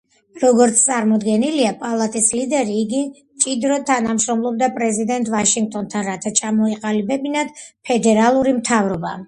როგორც წარმომადგენელთა პალატის ლიდერი, იგი მჭიდროდ თანამშრომლობდა პრეზიდენტ ვაშინგტონთან, რათა ჩამოეყალიბებინათ ფედერალური მთავრობა.